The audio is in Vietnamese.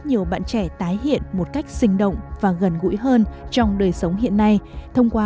nhiều bạn trẻ tái hiện một cách sinh động và gần gũi hơn trong đời sống hiện nay thông qua